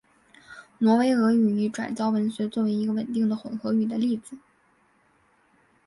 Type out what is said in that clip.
挪威俄语已转交文学作为一个稳定的混合语的例子。